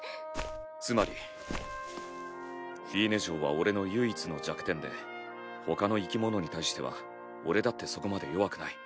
つまりフィーネ嬢は俺の唯一の弱点でほかの生き物に対しては俺だってそこまで弱くない。